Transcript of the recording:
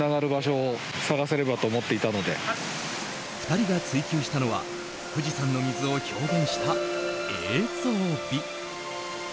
２人が追求したのは富士山の水を表現した映像美。